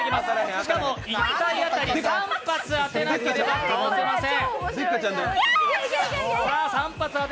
しかも、１回当たり３発当てなければ倒せません。